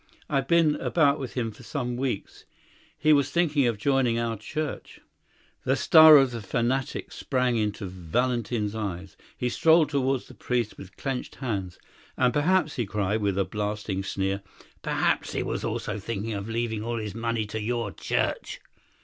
"I've been about with him for some weeks. He was thinking of joining our church." The star of the fanatic sprang into Valentin's eyes; he strode towards the priest with clenched hands. "And, perhaps," he cried, with a blasting sneer, "perhaps he was also thinking of leaving all his money to your church."